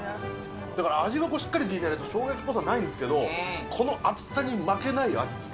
だから味がしっかり効いてないと生姜焼きっぽさないんですけど、この厚さに負けない味付け。